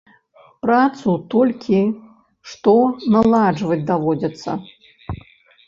Працу толькі што наладжваць даводзіцца.